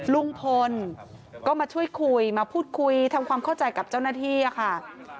ลุงพลก็มาช่วยคุยมาพูดคุยทำความเข้าใจกับเจ้าหน้าที่ค่ะ